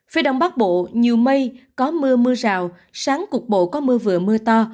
phía đông bắc bộ nhiều mây có mưa mưa rào sáng cục bộ có mưa vừa mưa to